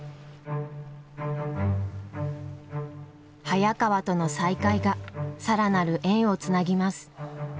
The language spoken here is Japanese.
早川との再会が更なる縁をつなぎます。